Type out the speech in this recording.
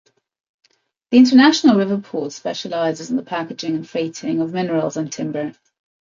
The international river port specializes in the packaging and freighting of minerals and timber.